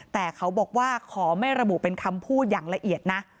แต่เขาบอกว่าขอไม่ระบุเป็นคำพูดอย่างละเอียดนะ